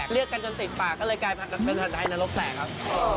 เรียกกันจนติดปากก็เลยกลายเป็นฮันไดนรกแตกครับ